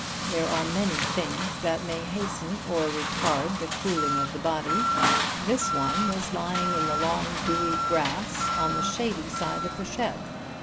There are many things that may hasten or retard the cooling of the body. This one was lying in the long dewy grass on the shady side of the shed.